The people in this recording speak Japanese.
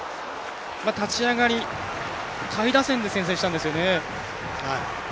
立ち上がり、下位打線で先制したんですよね。